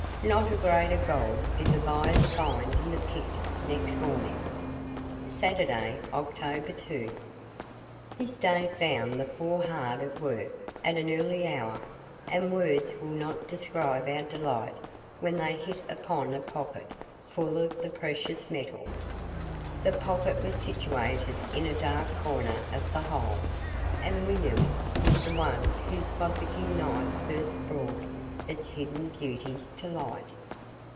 Not a grain of gold did the buyers find in the pit next morning. SATURDAY, OCTOBER 2. This day found the four hard at work at an early hour, and words will not describe our delight when they hit upon a "pocket" full of the precious metal. The "pocket" was situated in a dark corner of the hole, and William was the one whose fossicking knife first brought its hidden beauties to light.